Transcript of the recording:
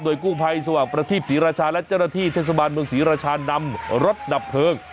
กู้ภัยสว่างประทีปศรีราชาและเจ้าหน้าที่เทศบาลเมืองศรีราชานำรถดับเพลิง